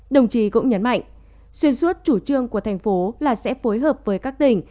đồng chí cũng nhấn mạnh xuyên suốt chủ trương của thành phố là sẽ phối hợp với các tỉnh